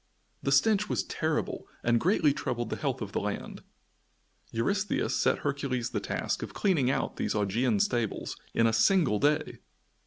The stench was terrible and greatly troubled the health of the land. Eurystheus set Hercules the task of cleaning out these Augean stables in a single day!